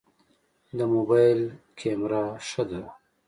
د موبایل کمره ښه ده؟